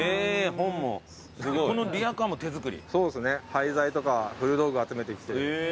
廃材とか古道具集めてきて。